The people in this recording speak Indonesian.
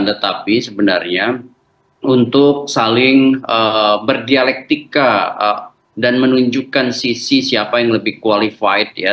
tetapi sebenarnya untuk saling berdialektika dan menunjukkan sisi siapa yang lebih qualified ya